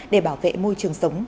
để bảo vệ môi trường sống